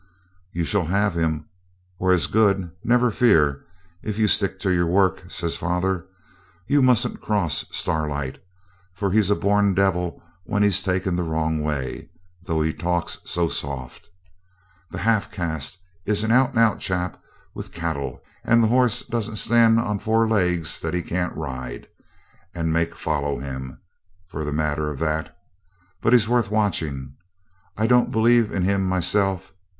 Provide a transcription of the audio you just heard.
'You shall have him, or as good, never fear, if you stick to your work,' says father. 'You mustn't cross Starlight, for he's a born devil when he's taken the wrong way, though he talks so soft. The half caste is an out and out chap with cattle, and the horse doesn't stand on four legs that he can't ride and make follow him, for the matter of that. But he's worth watching. I don't believe in him myself.